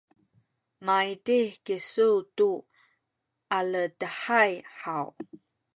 maydih kisu tu aledahay haw?